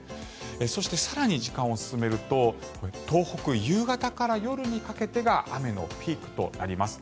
そして、更に時間を進めると東北、夕方から夜にかけてが雨のピークとなります。